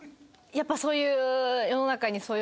やっぱそういう。